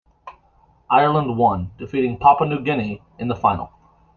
Ireland won, defeating Papua New Guinea in the final.